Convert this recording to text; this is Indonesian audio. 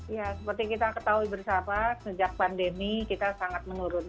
ya seperti kita ketahui bersama sejak pandemi kita sangat menurun